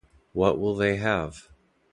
What will they have?